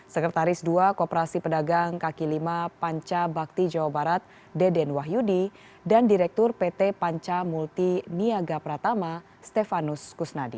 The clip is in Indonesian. sekretaris dua kooperasi pedagang kaki lima panca bakti jawa barat deden wahyudi dan direktur pt panca multi niaga pratama stefanus kusnadi